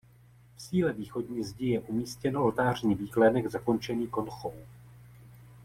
V síle východní zdi je umístěn oltářní výklenek zakončený konchou.